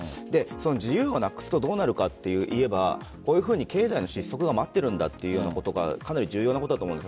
自由をなくすとどうなるかといえば経済の失速が待っているんだということがかなり重要なことだと思うんです。